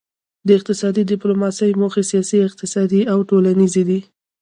د اقتصادي ډیپلوماسي موخې سیاسي اقتصادي او ټولنیزې دي